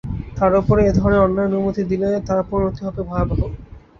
তার ওপরে এ ধরনের অন্যায় অনুমতি দিলে তার পরিণতি হবে ভয়াবহ।